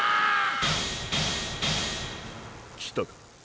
来たか。